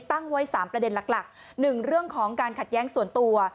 ตั้งไว้สามประเด็นหลักหลักหนึ่งเรื่องของการขัดแย้งส่วนตัว